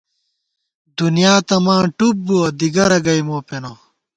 دُنیا تہ ماں ٹُپ بُوَہ ، دِگَرہ گئ مو پېنہ